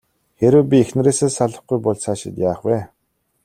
Хэрэв би эхнэрээсээ салахгүй бол цаашид яах вэ?